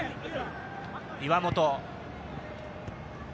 岩本。